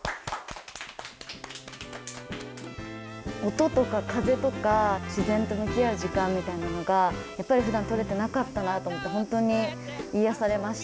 音とか風とか自然と向き合う時間みたいなのがやっぱりふだん取れてなかったなと思って本当に癒やされました。